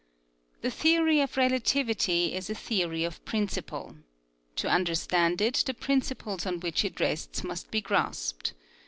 The theory of relativity is a theory of prin ciple. To understand it, the principles on which it rests must be grasped.